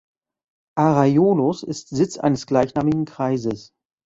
Arraiolos ist Sitz eines gleichnamigen Kreises.